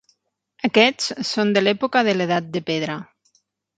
Aquests són de l'època de l'edat de pedra.